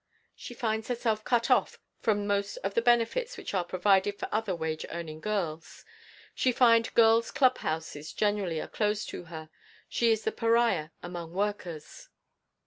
She finds herself cut off from most of the benefits which are provided for other wage earning girls. She finds girls' clubhouses generally are closed to her. She is the pariah among workers.